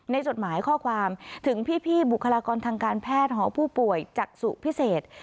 จดหมายข้อความถึงพี่บุคลากรทางการแพทย์หอผู้ป่วยจักษุพิเศษ